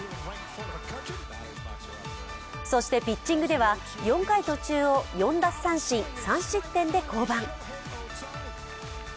そしてピッチングでは４回途中を４奪三振、３失点で降板。